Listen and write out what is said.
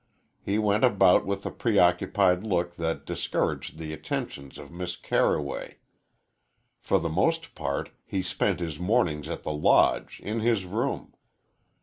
He went about with a preoccupied look that discouraged the attentions of Miss Carroway. For the most part he spent his mornings at the Lodge, in his room.